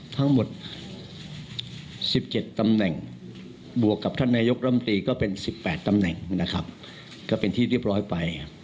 ทั้งหมด๑๗ตำแหน่งบวกกับท่านนายกรัมตรีก็เป็น๑๘ตำแหน่งนะครับก็เป็นที่เรียบร้อยไป